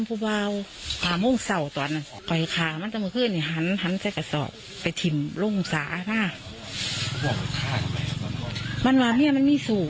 กว่าแสนนานผมก็โฉ่คือพุทธแฮนดี้เราได้ไปเติบระอบพูด